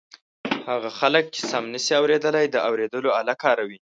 هغه خلک چې سم نشي اورېدلای د اوریدلو آله کاروي.